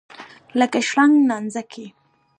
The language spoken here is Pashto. لکه شرنګ نانځکې.